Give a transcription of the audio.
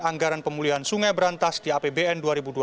anggaran pemulihan sungai berantas di apbn dua ribu dua puluh